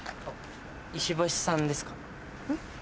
石橋さんですか？